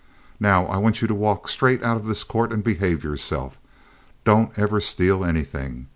Now, I want you to walk straight out of this court and behave yourself. Don't ever steal anything.